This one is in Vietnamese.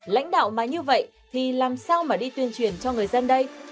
lãnh đạo mà như vậy thì làm sao mà đi tuyên truyền cho người dân đây